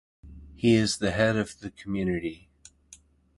He is the head of the community.